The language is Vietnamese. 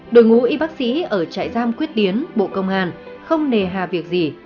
đội ngũ y bác sĩ ở trại giam quyết tiến bộ công an không nề hà việc gì